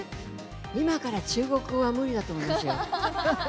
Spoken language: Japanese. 今から中国語は無理だと思いますよ。